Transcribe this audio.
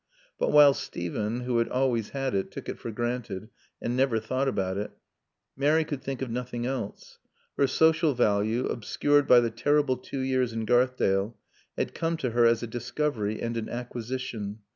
But while Steven, who had always had it, took it for granted and never thought about it, Mary could think of nothing else. Her social value, obscured by the terrible two years in Garthdale, had come to her as a discovery and an acquisition.